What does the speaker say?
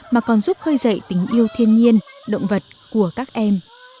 mà còn giúp khơi dậy tình yêu thiên nhiên động vật của các em